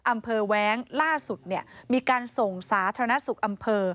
แว้งล่าสุดมีการส่งสาธารณสุขอำเภอ